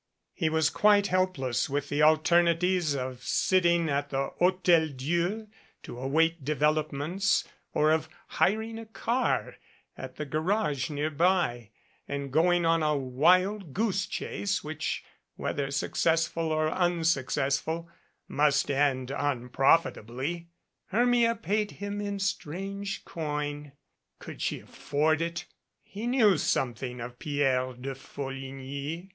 He was quite helpless with the alternatives of sitting at the Hotel Dieu to await developments or of hiring a car at the garage nearby and going on a wild goose chase which, whether successful or unsuccessful, must end un profitably. Hermia had paid him in strange coin. Could she afford it? He knew something of Pierre de Folligny.